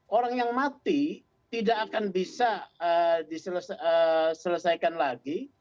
orang yang mati tidak akan bisa diselesaikan lagi